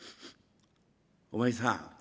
お前さん